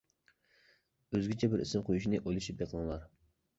ئۆزگىچە بىر ئىسىم قويۇشنى ئويلىشىپ بېقىڭلار.